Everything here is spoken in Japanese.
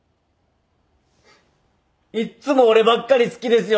いっつも俺ばっかり好きですよね。